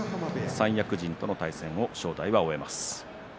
三役陣との対戦、正代は終えます。